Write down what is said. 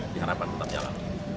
diharapkan tetap nyala